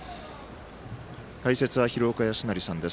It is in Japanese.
解説は廣岡資生さんです。